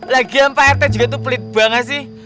lagi yang pak rt juga tuh pelit banget sih